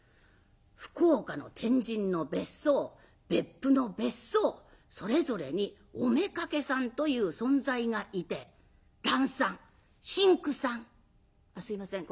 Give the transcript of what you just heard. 福岡の天神の別荘別府の別荘それぞれにおめかけさんという存在がいて蘭さん真紅さんあっすいません